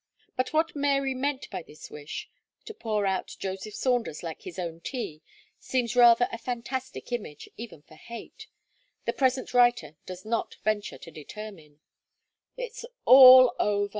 But what Mary meant by this wish to pour out Joseph Saunders like his own tea, seems rather a fantastic image, even for hate the present writer does not venture to determine. "It's all over!"